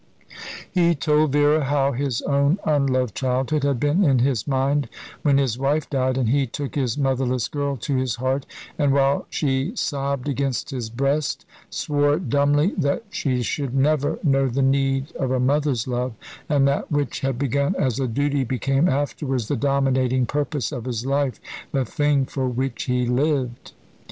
He told Vera how his own unloved childhood had been in his mind when his wife died, and he took his motherless girl to his heart, and, while she sobbed against his breast, swore dumbly that she should never know the need of a mother's love; and that which had begun as a duty became afterwards the dominating purpose of his life the thing for which he lived.